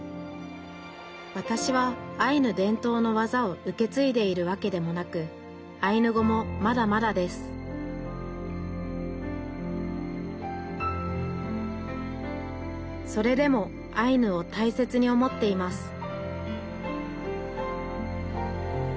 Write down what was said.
わたしはアイヌ伝統のわざを受け継いでいるわけでもなくアイヌ語もまだまだですそれでもアイヌを大切に思っています